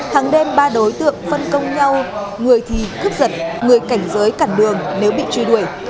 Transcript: hàng đêm ba đối tượng phân công nhau người thì cướp giật người cảnh giới cản đường nếu bị truy đuổi